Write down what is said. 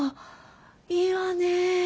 いいわね。